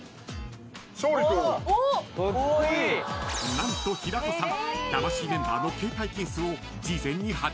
［何と平子さん］